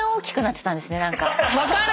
分かる！